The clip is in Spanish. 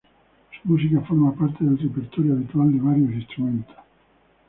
Su música forma parte del repertorio habitual de varios instrumentos.